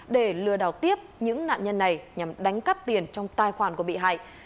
để lừa đảo tiếp những nạn nhân này nhằm đánh cắp tiền trong tài khoản của bị hại